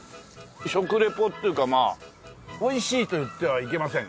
食リポというかまあ「美味しい」と言ってはいけません。